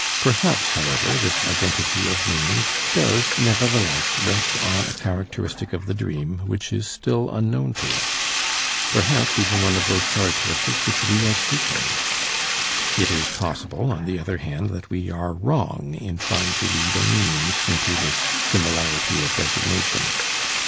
Perhaps, however, this identity of names does nevertheless rest on a characteristic of the dream which is still unknown to us, perhaps even one of those characteristics which we are seeking. It is possible, on the other hand, that we are wrong in trying to read a meaning into this similarity of designation.